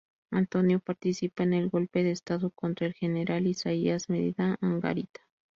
Antonio participa en el golpe de estado contra el general Isaías Medina Angarita.